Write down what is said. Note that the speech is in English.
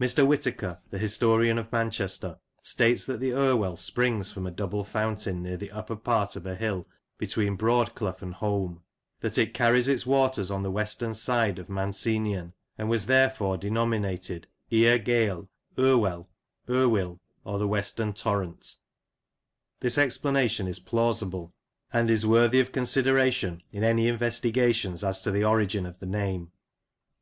Mr. Whitaker, the historian of Manchester, states that the Irwell springs from a double fountain near the upper part of a hill between Broadclough and Holme; that it carries its waters on the western side of Mancenion, and was therefore denominated Ir Gaeil, Irwell, Irwill, or the western torrent This explanation is plausible, and is worthy of consideration in any investigations as to the origin of the name.